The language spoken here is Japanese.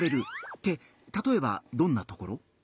ってたとえばどんなところ？